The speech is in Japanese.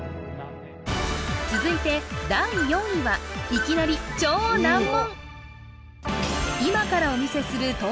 続いて第４位はいきなり超難問